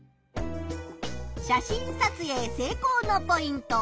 写真撮影せいこうのポイント。